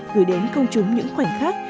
gửi đến công chúng những khoảnh khắc